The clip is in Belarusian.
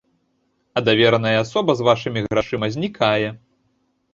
А давераная асоба з вашымі грашыма знікае.